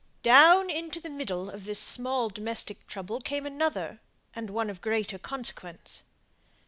Down into the middle of this small domestic trouble came another, and one of greater consequence.